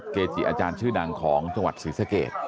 เกจิอาจารย์ชื่อดังของจังหวัดศรีสะเกด